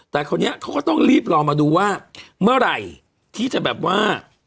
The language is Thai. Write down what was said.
แต่คราวนี้เขาก็ต้องรีบรอมาดูว่าเมื่อไหร่ที่จะแบบว่า